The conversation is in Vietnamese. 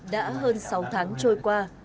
đã hơn sáu tháng trôi qua